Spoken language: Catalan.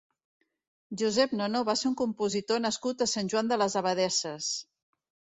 Josep Nono va ser un compositor nascut a Sant Joan de les Abadesses.